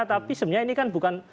tapi sebenarnya ini kan bukan